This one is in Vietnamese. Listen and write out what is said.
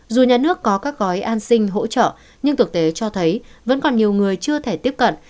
dù nhà nước có các gói an sinh hỗ trợ nhưng thực tế cho thấy vẫn còn nhiều người chưa thể tiếp cận